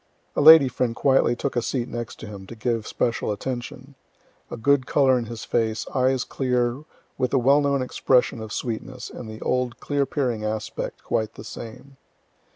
A lady friend quietly took a seat next him, to give special attention. A good color in his face, eyes clear, with the well known expression of sweetness, and the old clear peering aspect quite the same.